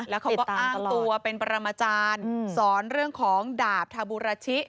แล้วเขาก็อ้างตัวเป็นปรมาจารย์สอนเรื่องของดาบทาบูราชิ